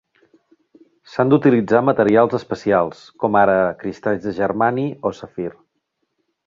S'han d'utilitzar materials especials com ara cristalls de germani o safir.